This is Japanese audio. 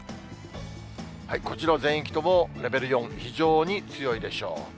こちらは全域ともレベル４、非常に強いでしょう。